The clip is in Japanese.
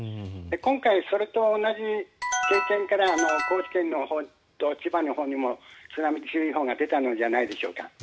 今回はそれと同じ経験から高知県のほうと千葉のほうにも津波注意報が出たのではないでしょうか。